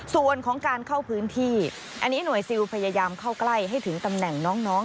ส่วนของการเข้าพื้นที่อันนี้หน่วยซิลพยายามเข้าใกล้ให้ถึงตำแหน่งน้อง